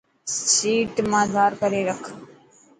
سيٽ مان ڌار ڪري رک.